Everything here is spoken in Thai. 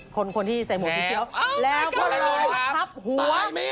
คนที่ใส่หมดทิ้งเคี้ยวแล้วเขาเลยทับหัว